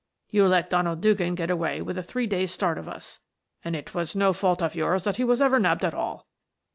You let Donald Dugan get away with a three days' start of us, and it was no fault of yours that he was ever nabbed at all.